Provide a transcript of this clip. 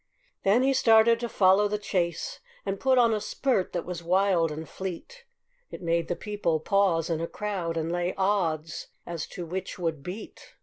And then he started to follow the chase, And put on a spurt that was wild and fleet, It made the people pause in a crowd, And lay odds as to which would beat.